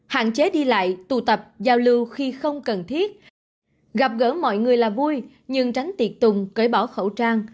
hạn chế đi lại tụ tập giao lưu khi không cần thiết gặp gỡ mọi người là vui nhưng tránh tiệt tùng cỡ bỏ khẩu trang